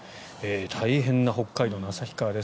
大変な北海道の旭川です。